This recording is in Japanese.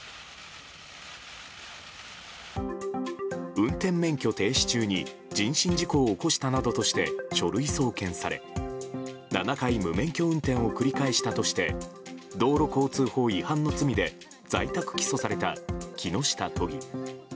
運転免許停止中に人身事故を起こしたなどとして書類送検され７回無免許運転を繰り返したとして道路交通法違反の罪で在宅起訴された木下都議。